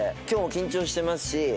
今日も緊張してますし。